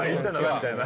みたいな。